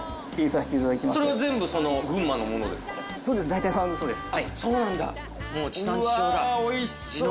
大体そうです。